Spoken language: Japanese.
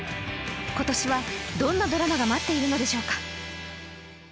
今年は、どんなドラマが待っているのでしょうか。